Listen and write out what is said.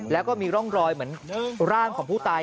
แล้วก็มีร่องรอยเหมือนร่างของผู้ตาย